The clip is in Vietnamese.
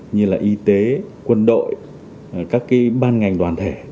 như là y tế quân đội các ban ngành đoàn thể